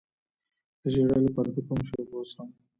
د ژیړي لپاره د کوم شي اوبه وڅښم؟